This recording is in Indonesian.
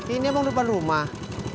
ini emang depan rumah